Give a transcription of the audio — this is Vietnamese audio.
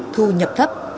thu nhập thấp